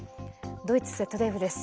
ドイツＺＤＦです。